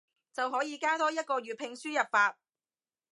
就可以加多一個粵拼輸入法